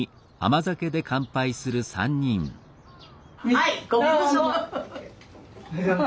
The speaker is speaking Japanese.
はいご苦労さま。